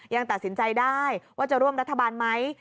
ยังตัดสินใจได้ว่าจะร่วมรัฐบาลไหม